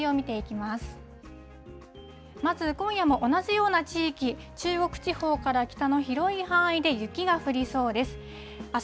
まず、今夜も同じような地域、中国地方から北の広い範囲で雪が降りそうです。